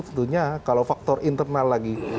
tentunya kalau faktor internal lagi